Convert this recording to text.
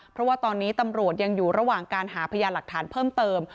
เพราะว่าตอนนี้ตำรวจยังอยู่ระหว่างการหาพยานหลักฐานเพิ่มเติม